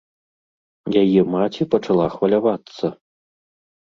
Яе маці пачала хвалявацца.